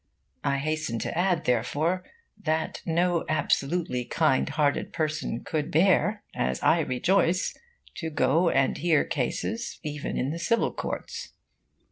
I hasten to add, therefore, that no absolutely kind hearted person could bear, as I rejoice, to go and hear cases even in the civil courts.